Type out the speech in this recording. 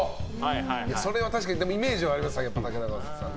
それは確かにイメージあります。